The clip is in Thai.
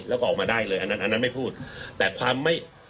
แล้วก็ออกมาได้เลยอันนั้นอันนั้นไม่พูดแต่ความไม่